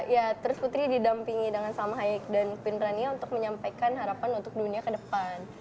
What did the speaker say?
ya terus putri didampingi dengan samhaik dan queen rania untuk menyampaikan harapan untuk dunia ke depan